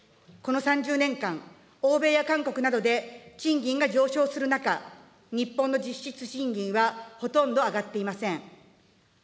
この３０年間、欧米や韓国などで賃金が上昇する中、日本の実質賃金はほとんど上がっていません。